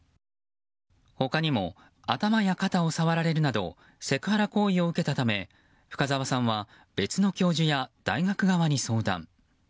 他にも頭や肩を触られるなどセクハラ行為を受けたため深沢さんは別の教授や大学側に相談。